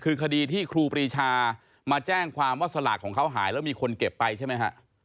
คือคดีที่ครูปรีชามาแจ้งความว่าสลากของเขาหายแล้วมีคนเก็บไปใช่ไหมฮะ